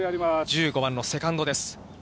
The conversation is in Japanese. １５番のセカンドです。